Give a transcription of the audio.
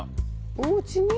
おうちに？